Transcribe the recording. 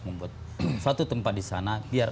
membuat suatu tempat di sana biar